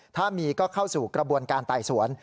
ถ้ามีก็เข้าสู่กระบวนการไต่สวน